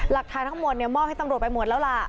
หลักฐานทั้งหมดมอบให้ตำรวจไปหมดแล้วล่ะ